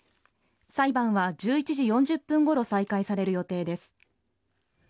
裁判は１１時４０分ごろ再開される予定です。